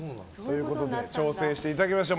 挑戦していただきましょう。